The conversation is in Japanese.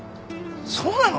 そうなの？